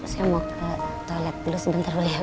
saya mau ke toilet dulu sebentar boleh